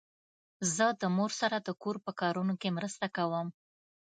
زه د مور سره د کور په کارونو کې مرسته کوم.